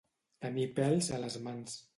Tenir pèls a les mans.